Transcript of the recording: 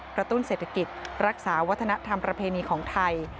ประตุ้นเศรษฐกิจรักษาวัฒนธรรมแผนีของไทย